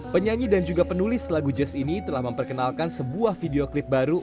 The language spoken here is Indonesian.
penyanyi dan juga penulis lagu jazz ini telah memperkenalkan sebuah video klip baru